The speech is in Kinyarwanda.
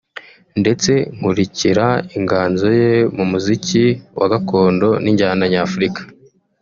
ndetse nkurikira inganzo ye mu muziki wa gakondo n’injyana nyafurika